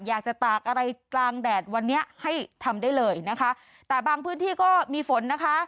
ตากอะไรกลางแดดวันนี้ให้ทำได้เลยนะคะแต่บางพื้นที่ก็มีฝนนะคะ